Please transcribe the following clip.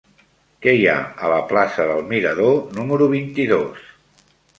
Què hi ha a la plaça del Mirador número vint-i-dos?